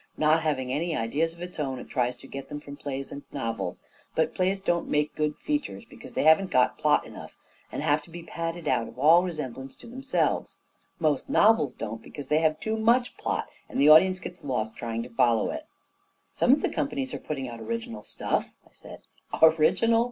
Not having any ideas of its own, it tries to get them from plays and novels. But plays don't A KING IN BABYLON 31 make good features because they haven't got plot enough and have to be padded out of all resemblance to themselves; most novels don't because they have too much plot and the audience gets lost trying to follow it" " Some of the companies are putting out original stuff/ 9 1 said " Original